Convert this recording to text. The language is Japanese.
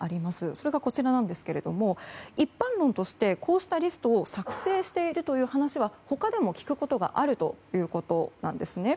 それがこちらですが一般論として、こうしたリストを作成しているという話は他でも聞くことがあるということなんです。